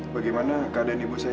bagaimana keadaan ibu saya